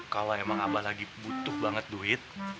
kalau emang abah lagi butuh banget duit